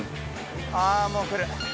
あっもう来る。